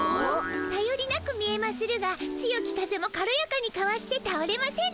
たよりなく見えまするが強き風も軽やかにかわしてたおれませぬ。